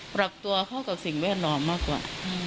ปรับตัวเข้ากับสิ่งแวดล้อมมากกว่า